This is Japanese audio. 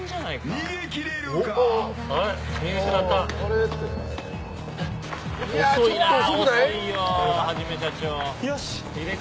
逃げ切れるか？